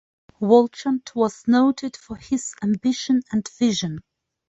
Walchand was noted for his ambition and vision.